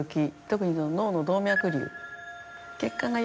特に脳の動脈瘤。